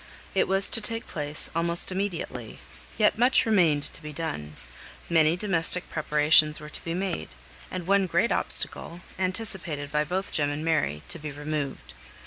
It was to take place almost immediately: yet much remained to be done; many domestic preparations were to be made; and one great obstacle, anticipated by both Jem and Mary, to be removed.